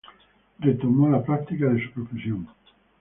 Retomó la práctica de su profesión.